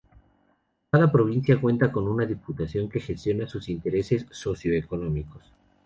Cada provincia cuenta con una diputación, que gestionan sus intereses socio-económicos.